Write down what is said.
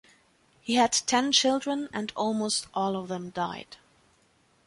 He had ten children and almost all of them died.